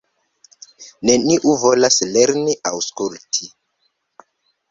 Neniu volas lerni aŭskulti.